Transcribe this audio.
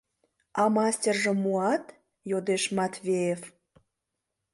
— А мастержым муат? — йодеш Матвеев.